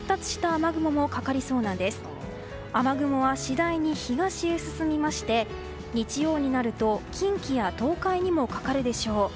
雨雲は次第に東に進みまして日曜日になると近畿や東海にもかかるでしょう。